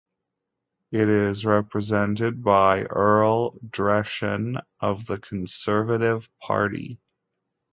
It is represented by Earl Dreeshen of the Conservative Party.